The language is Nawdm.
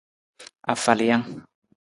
Afalijang.